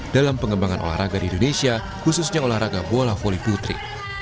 dalam pengembangan olahraga di indonesia khususnya olahraga bola voli putri